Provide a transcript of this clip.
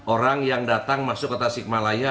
orang yang datang masuk ke tasikmalaya